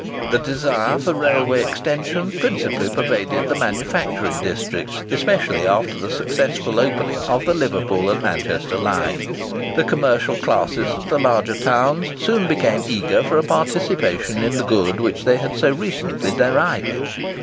The desire for railway extension principally pervaded the manufacturing districts, especially after the successful opening of the Liverpool and Manchester line. The commercial classes of the larger towns soon became eager for a participation in the good which they had so recently derided.